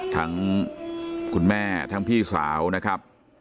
ทั้งคุณแม่ทั้งพี่สาวนะครับ